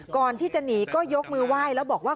ก่อนที่จะหนีก็ยกมือไหว้แล้วบอกว่า